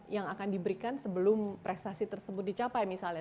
yang akan diberikan sebelum prestasi tersebut dicapai misalnya